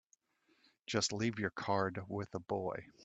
Just leave your card with the boy.